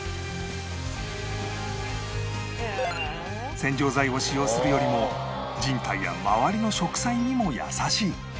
洗浄剤を使用するよりも人体や周りの植栽にも優しい